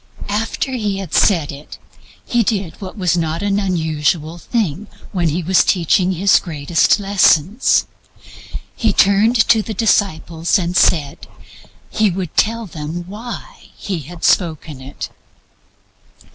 After He had said it, He did what was not an unusual thing when He was teaching His greatest lessons He turned to the disciples and said He would tell them why He had spoken it.